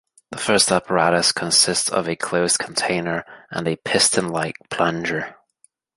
The first apparatus consists of a closed container and a piston-like plunger.